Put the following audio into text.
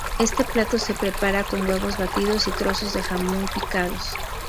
Este plato se prepara con huevos batidos y trozos de jamón picados.